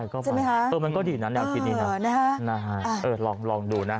ก็ไปใช่ไหมคะเออมันก็ดีนะแนวทีนี้นะนะฮะเออลองดูนะ